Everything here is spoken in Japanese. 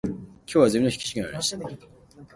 今日はゼミの筆記試験がありました。